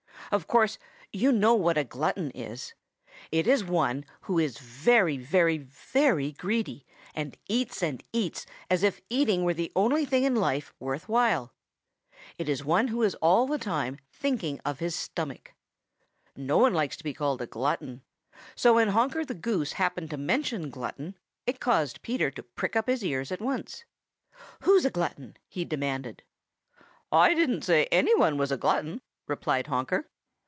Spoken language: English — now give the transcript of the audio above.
Of course you know what a glutton is. It is one who is very, very, very greedy and eats and eats as if eating were the only thing in life worth while. It is one who is all the time thinking of his stomach. No one likes to be called a glutton. So when Honker the Goose happened to mention Glutton, it caused Peter to prick up his ears at once. "Who's a glutton?" he demanded. "I didn't say any one was a glutton," replied Honker.